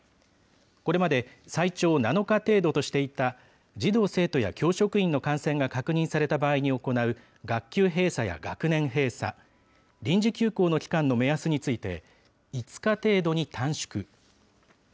これまで最長７日程度としていた児童・生徒や教職員の感染が確認された場合に行う学級閉鎖や学年閉鎖、臨時休校の期間の目安について、５日程度に短縮。